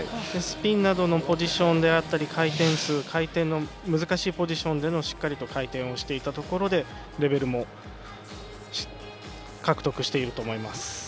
スピンなどのポジションや回転数回転の難しいポジションでもしっかり回転をしていたところでレベルも獲得していると思います。